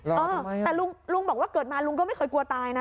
เออแต่ลุงบอกว่าเกิดมาลุงก็ไม่เคยกลัวตายนะ